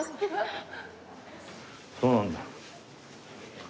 そうなんだ。